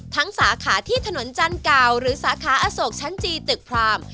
สาขาที่ถนนจันทร์เก่าหรือสาขาอโศกชั้นจีตึกพราม